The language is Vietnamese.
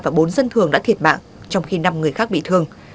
và bốn dân thường đã thiệt mạng trong khi năm người khác bị thương